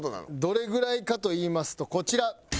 どれぐらいかといいますとこちら。